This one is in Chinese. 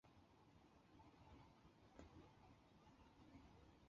紫色金线鲃为辐鳍鱼纲鲤形目鲤科金线鲃属的其中一种鱼类。